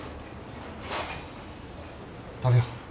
食べよう。